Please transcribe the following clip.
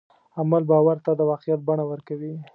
عمل باور ته د واقعیت بڼه ورکوي.